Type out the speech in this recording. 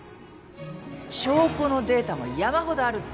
証拠のデータも山ほどあるって。